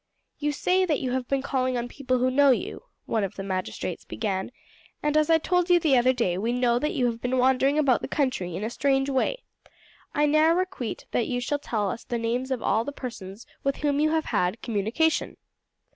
"You say that you have been calling on people who know you," one of the magistrates began; "and as I told you the other day we know that you have been wandering about the country in a strange way, I now requite that you shall tell us the names of all the persons with whom you have had communication."